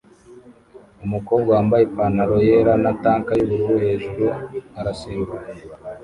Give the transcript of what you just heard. Umukobwa wambaye ipantaro yera na tank yubururu hejuru arasimbuka